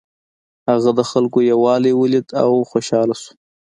هغه د خلکو یووالی ولید او خوشحاله شو.